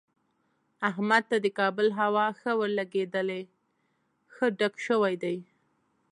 احمد ته د کابل هوا ښه ورلګېدلې، ښه ډک شوی دی.